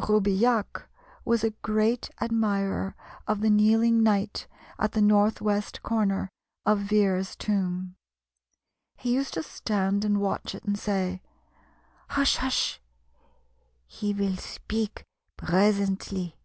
Roubilliac was a great admirer of the kneeling knight at the north west corner of Vere's tomb. He used to stand and watch it, and say, "Hush! hush! he vill speak presently."